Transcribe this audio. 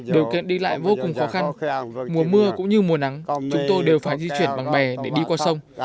điều kiện đi lại vô cùng khó khăn mùa mưa cũng như mùa nắng chúng tôi đều phải di chuyển bằng bè để đi qua sông